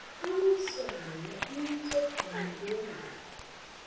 COLONEL SIBLEY MOVES UPON THE ENEMY.